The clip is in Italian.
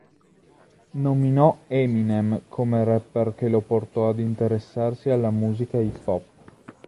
Nominò Eminem come rapper che lo portò ad interessarsi alla musica hip hop.